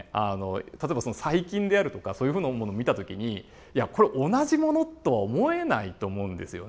例えば細菌であるとかそういうふうなものを見た時にいやこれ同じものとは思えないと思うんですよね。